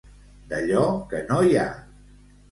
D'allò que no hi ha.